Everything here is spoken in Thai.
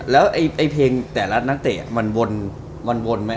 แล้วไอ้เพลงแต่ละนักเตะมันวนไหม